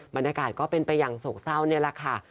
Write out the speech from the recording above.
บรรยากาศก็เป็นไปอย่างโศกเศร้านี่แหละค่ะ